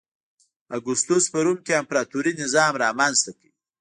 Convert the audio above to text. اګوستوس په روم کې امپراتوري نظام رامنځته کړ